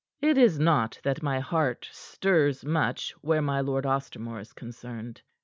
It is not that my heart stirs much where my Lord Ostermore is concerned.